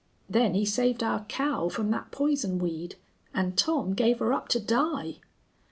Then he saved our cow from that poison weed. An' Tom gave her up to die."